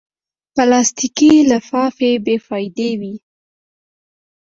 پلاستيکي لفافې بېفایدې وي.